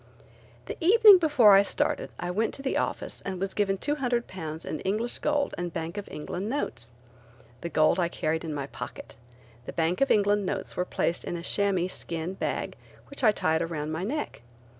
The evening before I started I went to the office and was given £200 in English gold and Bank of England notes. The gold I carried in my pocket. The Bank of England notes were placed in a chamois skin bag which I tied around my neck.